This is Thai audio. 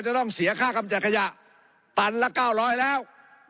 จะต้องเสียค่ากำจัดขยะตันละ๙๐๐แล้ว